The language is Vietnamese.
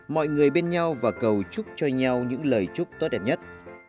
mọi người bên nhau và cầu chúc cho nhau những lời chúc tốt đẹp nhất